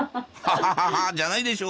「ハハハ」じゃないでしょ